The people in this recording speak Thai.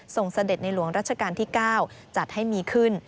เสด็จในหลวงรัชกาลที่๙จัดให้มีขึ้น